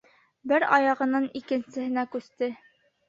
Бер аяғынан икенсеһенә күсте: